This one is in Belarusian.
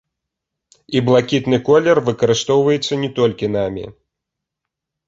І блакітны колер выкарыстоўваецца не толькі намі.